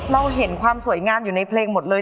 เราเห็นความสวยงามอยู่ในเพลงหมดเลย